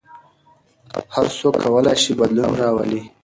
هر څوک کولای شي بدلون راولي.